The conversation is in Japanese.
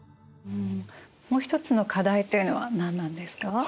もう一つの課題というのは何なんですか？